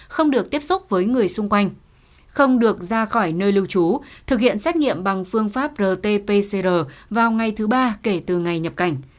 không được tiếp xúc với người xung quanh không được ra khỏi nơi lưu trú thực hiện xét nghiệm bằng phương pháp rt pcr vào ngày thứ ba kể từ ngày nhập cảnh